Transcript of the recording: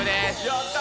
やった！